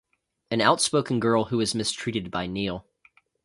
An outspoken girl who is mistreated by Neal.